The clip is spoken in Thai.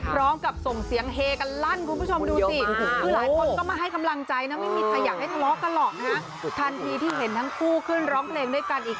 พร้อมกับส่งเสียงเฮกันลันคุณผู้ชมดูสิ